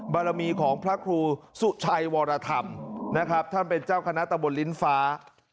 บารมีของพระครูสุชัยวรธรรมนะครับท่านเป็นเจ้าคณะตะบนลิ้นฟ้า